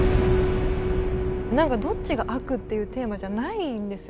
何かどっちが悪っていうテーマじゃないんですよね。